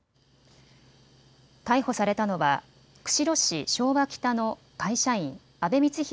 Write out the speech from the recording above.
逮捕されたのは釧路市昭和北の会社員、阿部光浩